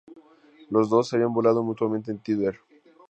Los dos se habían burlado mutuamente en Twitter.